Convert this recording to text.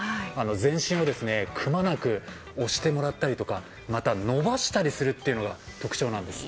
全身をくまなく押してもらったりまた、伸ばしたりするというのが特徴なんです。